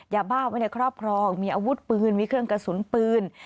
ยาบ้าไว้ในครอบครองมีอาวุธปืนมีเครื่องกระสุนปืน